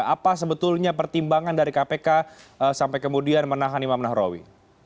apa sebetulnya pertimbangan dari kpk sampai kemudian menahan imam nahrawi